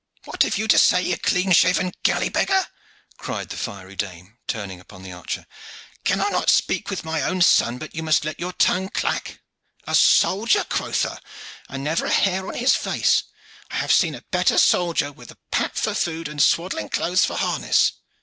"What have you to say, you clean shaved galley beggar?" cried the fiery dame, turning upon the archer. "Can I not speak with my own son but you must let your tongue clack? A soldier, quotha, and never a hair on his face. I have seen a better soldier with pap for food and swaddling clothes for harness."